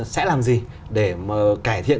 sẽ làm gì để cải thiện